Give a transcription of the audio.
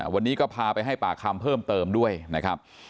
วันนี้ก็พาไปให้ปากคำเพิ่มเติมด้วยนะครับ